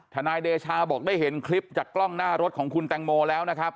นายเดชาบอกได้เห็นคลิปจากกล้องหน้ารถของคุณแตงโมแล้วนะครับ